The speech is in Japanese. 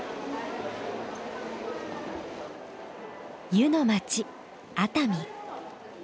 湯の町熱海。